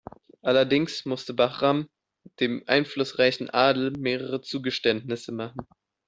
Allerdings musste Bahram dem einflussreichen Adel mehrere Zugeständnisse machen.